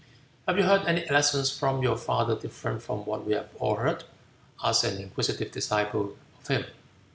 "Have you heard any lessons from your father different from what we have all heard?" asked an inquisitive disciple of him.